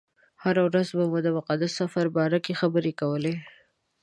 هره ورځ به مو د مقدس سفر باره کې خبرې کولې.